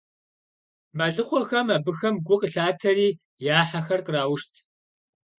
Мэлыхъуэхэм абыхэм гу къылъатэри, я хьэхэр къраушт.